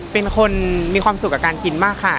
เป็นคนมีความสุขกับการกินมากค่ะ